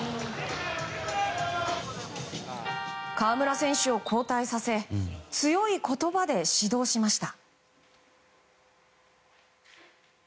河村選手を交代させ強い言葉で指導しました。